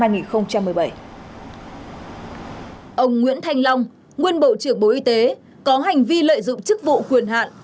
ông nguyễn thanh long nguyên bộ trưởng bộ y tế có hành vi lợi dụng chức vụ quyền hạn